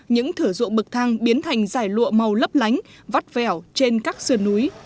những thửa ruộng bậc thang biến thành giải lụa màu lấp lánh vắt vẻo trên các sườn núi